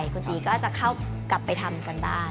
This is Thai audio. คุณตีก็จะเข้ากลับไปทำกันบ้าง